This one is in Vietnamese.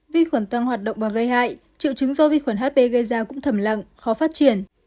vi khuẩn tăng hoạt động và gây hại triệu chứng do vi khuẩn hp gây ra cũng thầm lặng khó phát triển